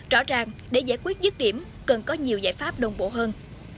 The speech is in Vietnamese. rõ ràng để giải quyết dứt điểm cần có nhiều giải pháp đồng bộ hơn